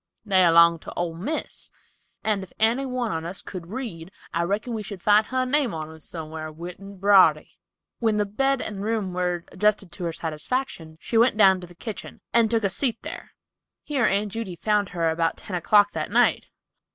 They 'longed to old Miss, and if any one on us could read, I reckon we should find her name on 'em somewhar writ in brawdery." When the bed and room were adjusted to her satisfaction, she went down to the kitchen and took a seat there. Here Aunt Judy found her about ten o'clock that night.